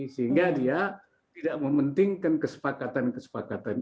sehingga dia tidak mementingkan kesepakatan kesepakatan